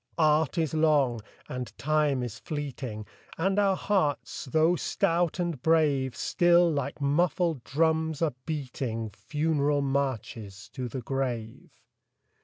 Art is long, and Time is fleeting, And our hearts, though stout and brave, Still, like muffled drums, are beating Funeral marches to the grave.